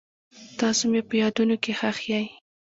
تاسو مې په یادونو کې ښخ یئ.